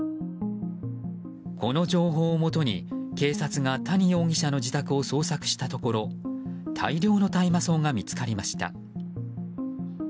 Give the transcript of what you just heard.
この情報をもとに警察が谷容疑者の自宅を捜索したところ大量の大麻草が見つかりました。